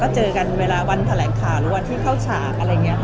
เจอกันเวลาวันพลังคาหรือวันที่เข้าฉาก